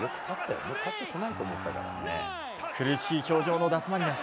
苦しい表情のダスマリナス